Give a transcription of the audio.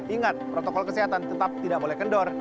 ingat protokol kesehatan tetap tidak boleh kendor